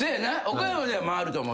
岡山では回ると思う。